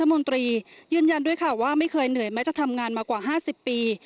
มนตรียืนยันด้วยค่ะว่าไม่เคยเหนื่อยแม้จะทำงานมากว่า๕๐ปี